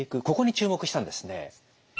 ここに注目したんですね。